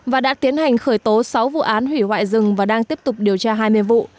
và đã tiến hành khởi tố sáu vụ án hủy hoại rừng và đang tiếp tục điều tra hai mươi vụ